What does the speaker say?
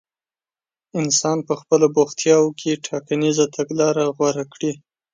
انسان په خپلو بوختياوو کې ټاکنيزه تګلاره غوره کړي.